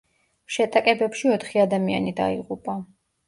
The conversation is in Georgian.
შეტაკებებში ოთხი ადამიანი დაიღუპა.